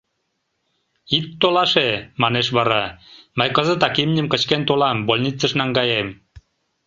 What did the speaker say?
— Ит толаше, — манеш вара, — мый кызытак имньым кычкен толам, больницыш наҥгаем...